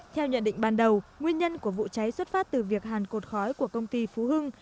theo nhận định ban đầu nguyên nhân của vụ cháy xuất phát từ việc hàn cột khói của công ty phú hưng